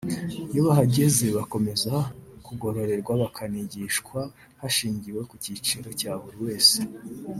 iyo bahageze bakomeza kugororwa bakanigishwa hashingiwe ku cyiciro cya buri wese